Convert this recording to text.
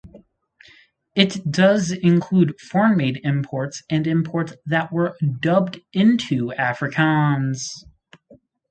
It does include foreign-made imports and imports that were dubbed into Afrikaans.